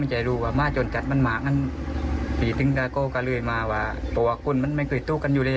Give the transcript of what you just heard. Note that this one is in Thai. นี่หละสุดท้ายแล้วนะ